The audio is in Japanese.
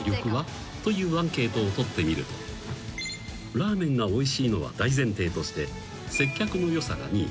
［ラーメンがおいしいのは大前提として接客のよさが２位］